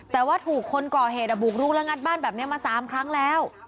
แต่ว่าถูกคนก่อเหตุบุกรุกและงัดบ้านแบบนี้มา๓ครั้งแล้ว